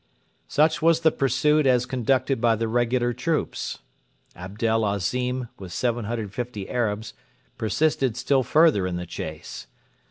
Such was the pursuit as conducted by the regular troops. Abdel Azim, with 750 Arabs, persisted still further in the chase.